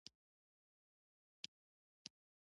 ازادي راډیو د د اوبو منابع په اړه د هر اړخیزو مسایلو پوښښ کړی.